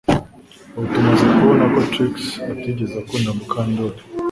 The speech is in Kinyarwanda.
Ubu tumaze kubona ko Trix atigeze akunda Mukandoli